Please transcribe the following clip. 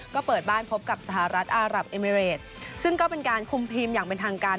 ก็เปิดบ้านพบกับสหรัฐอารับเอมิเรดซึ่งก็เป็นการคุมทีมอย่างเป็นทางการ